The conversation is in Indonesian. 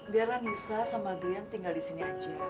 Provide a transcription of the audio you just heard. biarlah nisa sama grian tinggal disini aja